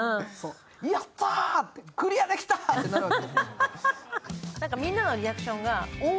やったーって、クリアできたーってなるわけ。